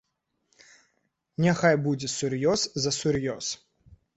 Няхай будзе сур'ёз за сур'ёз!